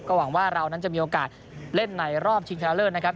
หวังว่าเรานั้นจะมีโอกาสเล่นในรอบชิงชนะเลิศนะครับ